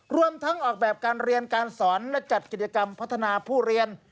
รวมทั้งออกแบบการเรียนการสอนและจัดกิจกรรมพัฒนาผู้เรียน